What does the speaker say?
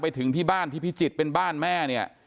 ไปถึงที่บ้านพี่พิจิตย์เป็นบ้านแม่